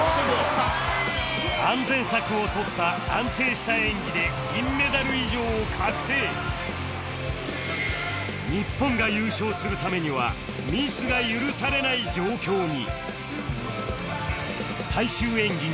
安全策をとった安定した演技で日本が優勝するためにはミスが許されない状況に